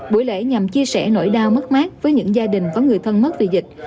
buổi lễ nhằm chia sẻ nỗi đau mất mát với những gia đình có người thân mất vì dịch